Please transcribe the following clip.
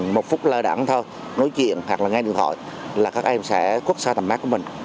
một phút lơ đẳng thôi nói chuyện hoặc là nghe điện thoại là các em sẽ quất xa tầm mát của mình